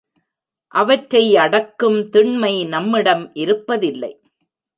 அவற்றை அடக்கும் திண்மை நம்மிடம் இருப்பதில்லை.